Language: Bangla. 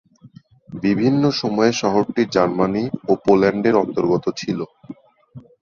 বিভিন্ন সময়ে শহরটি জার্মানি এবং পোল্যান্ডের অন্তর্গত ছিল।